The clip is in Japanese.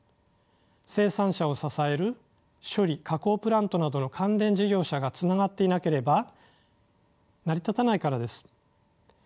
生産者を支える処理加工プラントなどの関連事業者がつながっていなければ成り立たないからです。